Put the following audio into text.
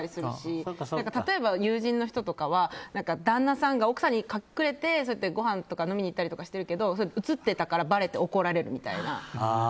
例えば友人は旦那さんが奥さんに隠れてご飯とか飲みに行ったりしてるけど写ってたからばれて怒られるみたいな。